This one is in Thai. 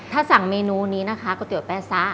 ถ้าสั่งเมนูนี้นะคะก๋วเตี๋แป้ซะ